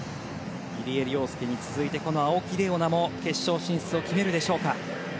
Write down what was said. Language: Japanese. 入江陵介に続いてこの青木玲緒樹も決勝進出を決めるでしょうか。